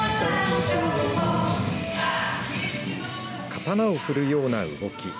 刀を振るような動き。